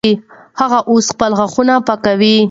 هغه اوس خپل غاښونه پاکوي.